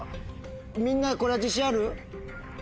みんなこれは自身ある？